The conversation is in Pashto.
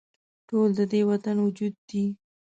ټول د دې وطن وجود دي